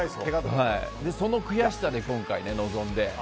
その悔しさで今回臨んで。